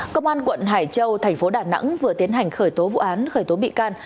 công an quận hải châu tp đà nẵng vừa tiến hành khởi tố vụ án khởi tố bị can